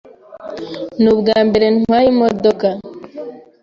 Ni ubwambere ntwaye imodoka.